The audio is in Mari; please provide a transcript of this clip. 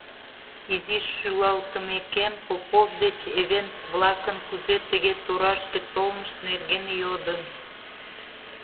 Изиш шӱлалтымекем, Попов деч эвенк-влакын кузе тыге торашке толмышт нерген йодым.